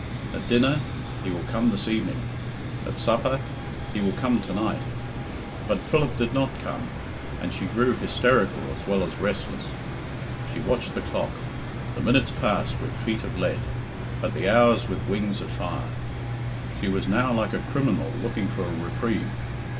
At dinner, "He will come this evening." At supper, "He will come tonight." But Philip did not come, and she grew hysterical as well as restless. She watched the clock; the minutes passed with feet of lead, but the hours with wings of fire. She was now like a criminal looking for a reprieve.